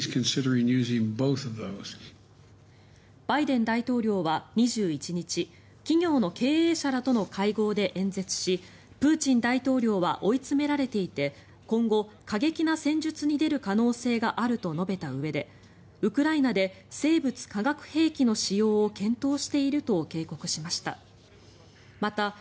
バイデン大統領は２１日企業の経営者らとの会合で演説しプーチン大統領は追い詰められていて今後、過激な戦術に出る可能性があると述べたうえでウクライナで生物・化学兵器の使用を検討していると警告しました。